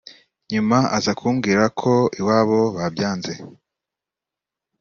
nyuma aza kumbwira ko iwabo babyanze